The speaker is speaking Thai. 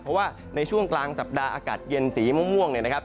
เพราะว่าในช่วงกลางสัปดาห์อากาศเย็นสีม่วงเนี่ยนะครับ